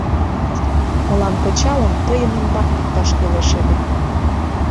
Мылам пычалым тыйын ӱмбак викташ кӱлеш ыле...